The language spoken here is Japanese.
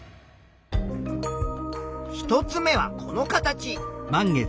１つ目はこの形。